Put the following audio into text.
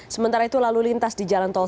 sementara itu lalu lintas di jalan tol